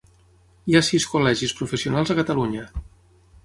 Hi ha sis col·legis professionals a Catalunya.